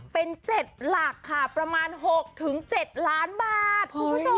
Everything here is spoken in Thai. เป็น๗หลักค่ะประมาณ๖๗ล้านบาท